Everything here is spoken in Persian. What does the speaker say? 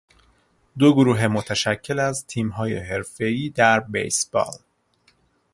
دو گروه متشکل از تیم های حرفهای در بیسبال